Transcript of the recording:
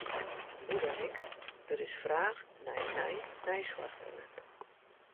Hoe dan ek, der is fraach nei nij neisoarchtalint.